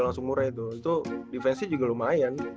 langsung murray tuh itu defense nya juga lumayan